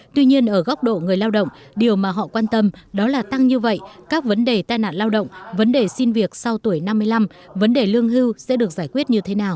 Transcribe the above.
tuy nhiên ở góc độ người lao động điều mà họ quan tâm đó là tăng như vậy các vấn đề tai nạn lao động vấn đề xin việc sau tuổi năm mươi năm vấn đề lương hưu sẽ được giải quyết như thế nào